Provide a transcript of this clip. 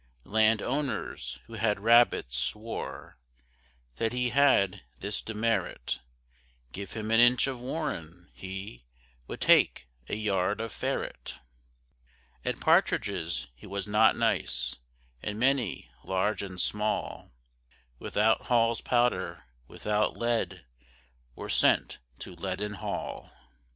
Land owners, who had rabbits, swore That he had this demerit Give him an inch of warren, he Would take a yard of ferret. At partridges he was not nice; And many, large and small, Without Hall's powder, without lead, Were sent to Leaden Hall.